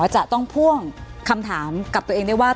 จะต้องพ่วงคำถามกับตัวเองได้ว่า